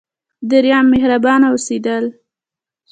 دریم: مهربانه اوسیدل.